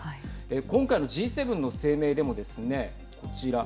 今回のＧ７の声明でもですねこちら。